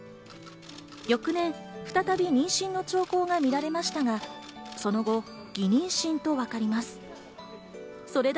翌年、再び妊娠の兆候が見られましたが、その後、偽妊娠とわかりました。